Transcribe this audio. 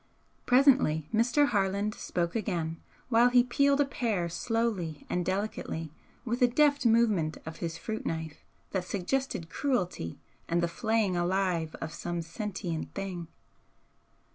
Presently Mr. Harland spoke again, while he peeled a pear slowly and delicately with a deft movement of his fruit knife that suggested cruelty and the flaying alive of some sentient thing.